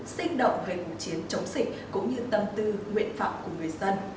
sinh động về cuộc chiến chống dịch cũng như tâm tư nguyện vọng của người dân